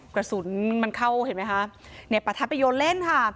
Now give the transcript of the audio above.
กระสุนมันเข้าเห็นไหมคะเนี่ยประทัดไปโยนเล่นค่ะ